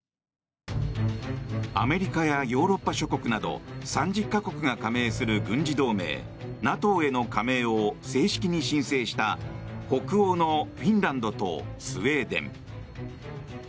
アメリカやヨーロッパ諸国など３０か国が加盟する軍事同盟ＮＡＴＯへの加盟を正式に申請した北欧のフィンランドとスウェーデン。